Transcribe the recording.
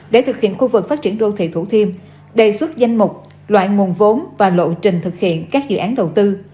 để thực hiện khu vực phát triển đô thị thủ thiêm đề xuất danh mục loại nguồn vốn và lộ trình thực hiện các dự án đầu tư